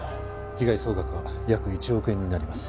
被害総額は約１億円になります。